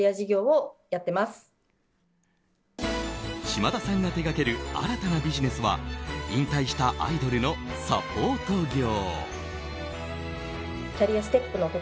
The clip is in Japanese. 島田さんが手掛ける新たなビジネスは引退したアイドルのサポート業。